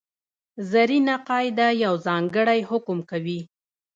زرینه قاعده یو ځانګړی حکم کوي.